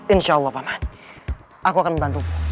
insyaallah pak man aku akan membantuku